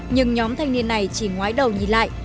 nhưng nhóm thanh niên này chỉ ngói đầu nhìn lại